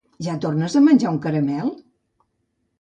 Ja tornes a menjar un caramel?